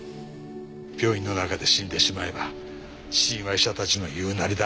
病院の中で死んでしまえば死因は医者たちの言うなりだ。